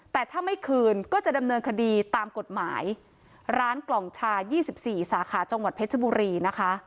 แต่ถ้าไม่คืนก็จะดำเนินคดีตามกฎหมายร้านกล่องชา๒๔สาขาจังหวัดเพชรบุรีนะคะ